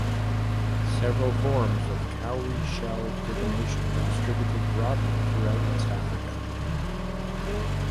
Several forms of cowrie-shell divination are distributed broadly throughout West Africa.